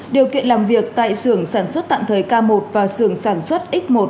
điều kiện làm việc tại sường sản xuất tạm thời k một và sường sản xuất x một